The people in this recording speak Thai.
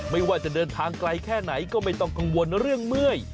ไม่ว่าจะเดินทางไกลแค่ไหนก็ไม่ต้องกังวลเรื่องเมื่อย